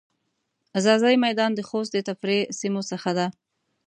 ځاځی میدان د خوست د تفریحی سیمو څخه ده.